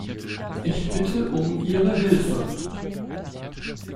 Ich bitte um Ihre Hilfe.